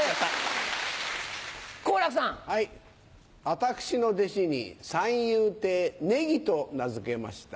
私の弟子に三遊亭ネギと名付けました。